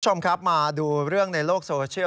คุณผู้ชมครับมาดูเรื่องในโลกโซเชียล